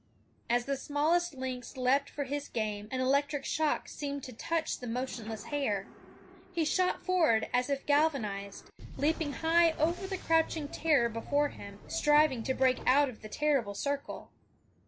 As the smallest lynx leaped for his game an electric shock seemed to touch the motionless hare. He shot forward as if galvanized, leaping high over the crouching terror before him, striving to break out of the terrible circle.